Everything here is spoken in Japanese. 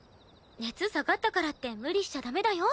熱下がったからって無理しちゃダメだよ。